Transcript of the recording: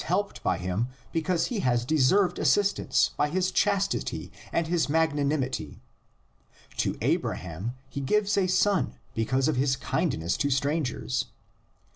helped by him because he has deserved assistance by his chastity and his magnanimity; to Abraham he gives a son because of his kindness to strangers.